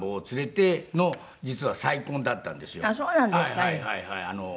はいはいはいはい。